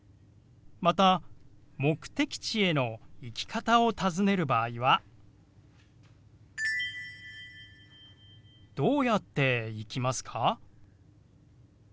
また目的地への行き方を尋ねる場合は「どうやって行きますか？」。